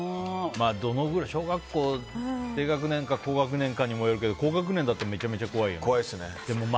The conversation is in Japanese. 小学校低学年か高学年かによるけど高学年だとめちゃめちゃ怖いよね。